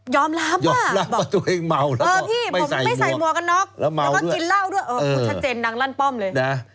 ยอมรับว่ายอมรับว่าตัวเองเมาแล้วก็ไม่ใส่มัวกับนอกแล้วก็กินเหล้าด้วยชัดเจนดังลั่นป้อมเลย